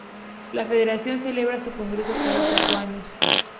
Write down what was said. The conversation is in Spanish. La federación celebra su Congreso cada cuatro años.